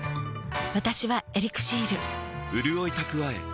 私は「エリクシール」